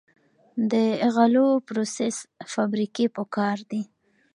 د غلو پروسس فابریکې پکار دي.